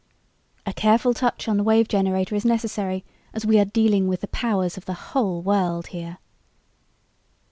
"A careful touch on the Wave Generator is necessary as we are dealing with the powers of the whole world here...."